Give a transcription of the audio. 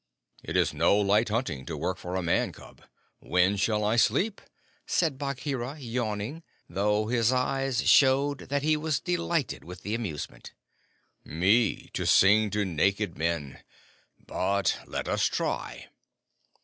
"It is no light hunting to work for a Man cub. When shall I sleep?" said Bagheera, yawning, though his eyes showed that he was delighted with the amusement. "Me to sing to naked men! But let us try."